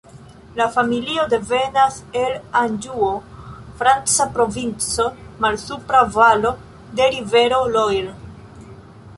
La familio devenas el Anĵuo, franca provinco, malsupra valo de rivero Loire.